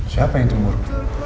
siapa yang cemburu